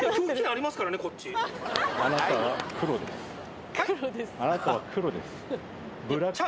あなたはクロです。